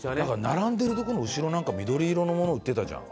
並んでる所の後ろなんか緑色のもの売ってたじゃん。